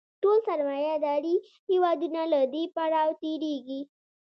ټول سرمایه داري هېوادونه له دې پړاو تېرېږي